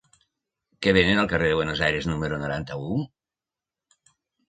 Què venen al carrer de Buenos Aires número noranta-u?